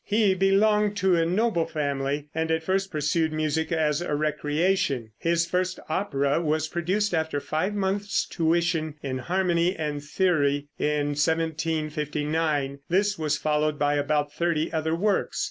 He belonged to a noble family, and at first pursued music as a recreation. His first opera was produced after five months' tuition in harmony and theory, in 1759; this was followed by about thirty other works.